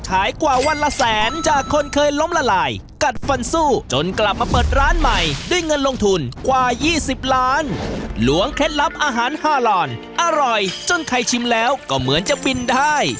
หลวงเคล็ดลับอาหาร๕ลอนอร่อยจนใครชิมแล้วก็เหมือนจะบินได้